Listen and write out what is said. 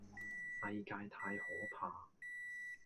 世界太可怕